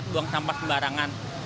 untuk buang sampah sembarangan